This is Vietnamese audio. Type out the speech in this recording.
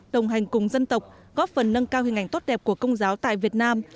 đồng hành cùng dân tộc góp phần nâng cao hình ảnh tốt đẹp của công giáo tại việt nam